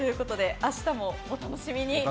明日もお楽しみに。